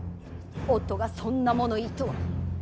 夫がそんな物言いとは。